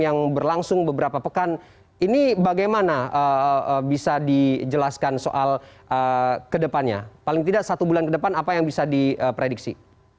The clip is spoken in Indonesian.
yang berlangsung beberapa pekan ini bagaimana bisa dijelaskan soal kedepannya paling tidak satu bulan ke depan apa yang bisa diprediksi